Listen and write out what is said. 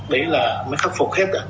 đấy là mới khắc phục hết